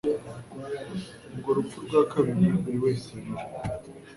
urwo rupfu rwa kabiri buri wese arira